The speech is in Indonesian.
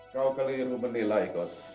kau keliru menilai kos